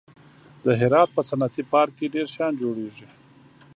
د هرات په صنعتي پارک کې ډېر شیان جوړېږي.